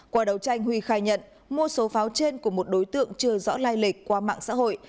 qua đấu tranh huy khai nhận mua số pháo trên của một đối tượng chưa rõ lai lịch qua mạng xã hội